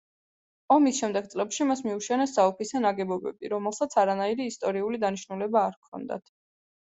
ომის შემდეგ წლებში მას მიუშენეს საოფისე ნაგებობები, რომელსაც არანაირი ისტორიული დანიშნულება არ ჰქონდათ.